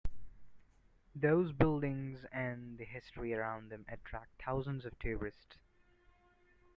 Those buildings and the history around them attract thousands of tourists.